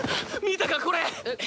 見たかこれ？